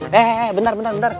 hei bentar bentar bentar